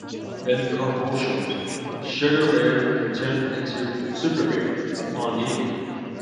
In commercials, Sugar Bear could turn into "Super Bear" upon eating it.